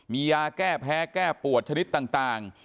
มียาแก้แพ้แก้ปวดชนิดต่าง